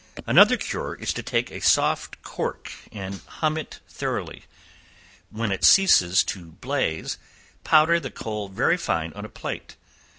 Another cure is to take a soft cork and hum it thoroughly; when it ceases to blaze, powder the coal very fine on a plate.